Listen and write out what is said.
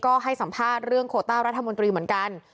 ก็ให้สัมภาษณ์เรื่องโคต้ารัฐมนตรีเหมือนกัน